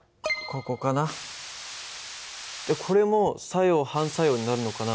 これも作用・反作用になるのかな。